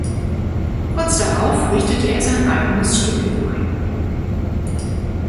Kurz darauf richtete er sein eigenes Studio ein.